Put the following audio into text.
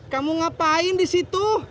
kamu ngapain di situ